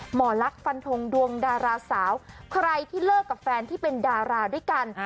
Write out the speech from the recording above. หมอลักษณ์ฟันทงดวงดาราสาวใครที่เลิกกับแฟนที่เป็นดาราด้วยกัน